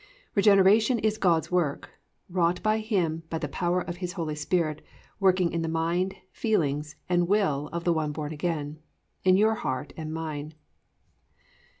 "+ _Regeneration is God's work; wrought by Him by the power of His Holy Spirit working in the mind, feelings and will of the one born again_, in your heart and mine.